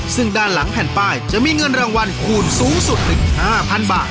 ซึ่งด้านหลังแผ่นป้ายจะมีเงินรางวัลคูณสูงสุดถึง๕๐๐๐บาท